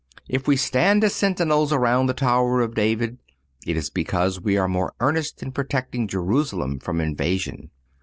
If we stand as sentinels around the tower of David, it is because we are more earnest in protecting Jerusalem from invasion.